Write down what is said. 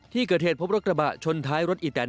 ที่เกิดเหตุพบรถกระบะชนท้ายรถอีแตน